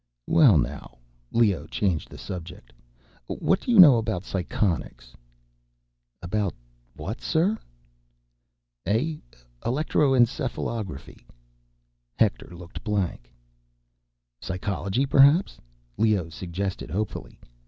"Well now," Leoh changed the subject, "what do you know about psychonics?" "About what, sir?" "Eh ... electroencephalography?" Hector looked blank. "Psychology, perhaps?" Leoh suggested, hopefully.